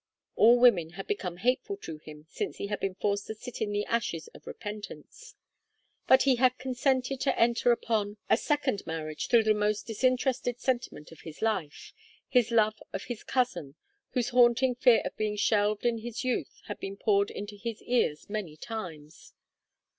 All women had become hateful to him since he had been forced to sit in the ashes of repentance, but he had consented to enter upon a second marriage through the most disinterested sentiment of his life, his love of his cousin, whose haunting fear of being shelved in his youth had been poured into his ears many times.